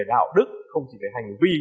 đạo đức không chỉ về hành vi